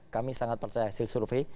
kami sangat percaya hasil survei